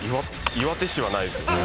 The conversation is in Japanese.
岩手市はないですもんね。